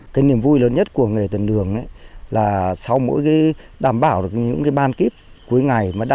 cái niềm vui lớn nhất của nghề tuần đường là sau mỗi đảm bảo được những ban kíp cuối ngày